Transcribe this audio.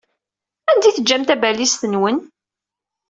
Anda ay teǧǧam tabalizt-nwen?